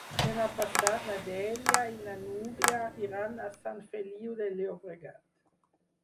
Demà passat na Dèlia i na Núria iran a Sant Feliu de Llobregat.